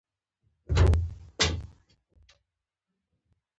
واک د هغه ګوند چې سلپيپ وو ته وسپاره.